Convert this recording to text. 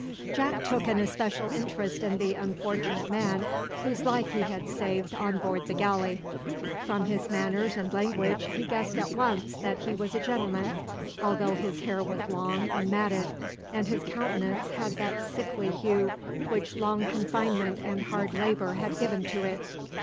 Jack took an especial interest in the unfortunate man whose life he had saved on board the galley. From his manners and language he guessed at once that he was a gentleman, although his hair was long and matted, and his countenance had that sickly hue which long confinement and hard labour had given to it.